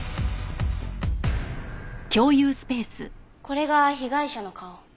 これが被害者の顔。